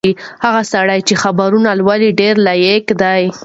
هغه سړی چې خبرونه لولي ډېر لایق دی.